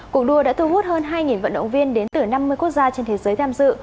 cuộc đua đã thu hút hơn hai vận động viên đến từ năm mươi quốc gia trên thế giới tham dự